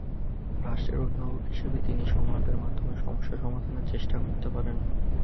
রাষ্ট্রের অভিভাবক হিসেবে তিনি সংলাপের মাধ্যমে সমস্যা সমাধানের চেষ্টা করতে পারেন।